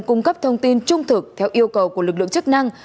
cung cấp thông tin trung thực theo yêu cầu của lực lượng chức năng